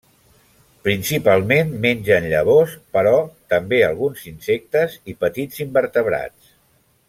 Principalment mengen llavors, però també alguns insectes i petits invertebrats.